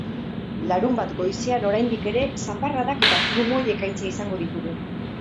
Larunbat goizaldean oraindik ere zaparradak eta trumoi-ekaitza izango ditugu.